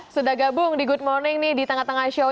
sudah gabung di good morning nih di tengah tengah show